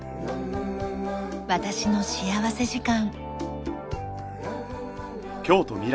『私の幸福時間』。